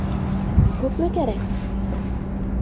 Күпме кәрәк?